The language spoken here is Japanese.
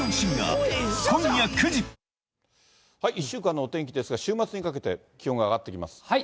１週間のお天気ですが、週末にかけて、気温が上がってきます。